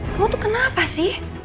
kamu tuh kenapa sih